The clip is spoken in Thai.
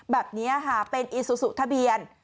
แบบนี้ค่ะเป็นอีซูซูทะเบียน